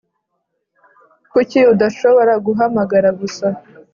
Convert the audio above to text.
kuki udashobora guhamagara gusa